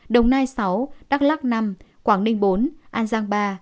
đồng nai sáu đắk lắc năm quảng ninh bốn an giang ba